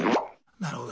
なるほど。